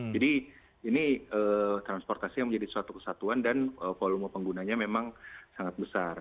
jadi ini transportasi yang menjadi suatu kesatuan dan volume penggunanya memang sangat besar